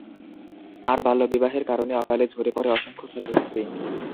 আর বাল্যবিবাহের কারণে অকালে ঝরে পড়ে অসংখ্য ছাত্রছাত্রী।